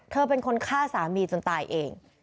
เป็นคนฆ่าสามีจนตายเอง